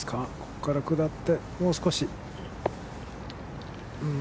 ここから下って、もう少し。